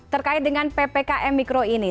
terkait dengan ppkm mikro ini